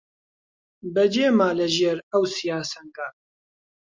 بەجێ ما لە ژێر ئەو سیا سەنگا